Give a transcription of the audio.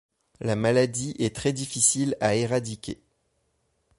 La maladie est très difficile à éradiquer.